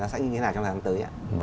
sẽ như thế nào trong tháng tới